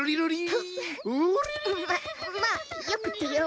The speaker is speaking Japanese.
フッままあよくってよ。